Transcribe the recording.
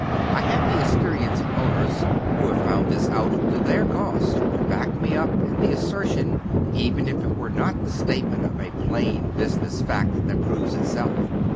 I have the experience of owners, who have found this out to their cost, to back me up in the assertion, even if it were not tlie statement of a plain business fact that proves itself.